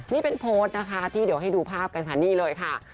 นี่เป็นโพสต์นะคะที่เดี๋ยวให้ดูภาพกันค่ะ